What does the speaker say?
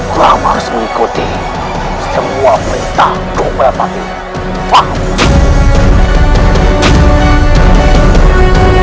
kamu harus mengikuti semua perintah gopalapati faham